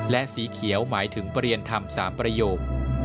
และสีเขียวหมายถึงประเรียนธรรม๓ประโยค